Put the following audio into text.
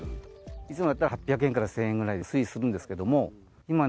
いつもだったら８００円から１０００円ぐらいで推移するんですけれども、今ね、